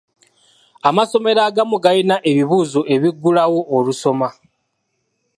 Amasomero agamu galina ebibuuzo ebiggulawo olusoma.